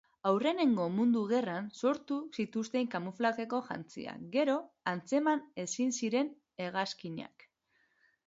Aurrenengo mundu gerran sortu zituzten kamuflajeko jantziak, gero atzeman ezin ziren hegazkinak.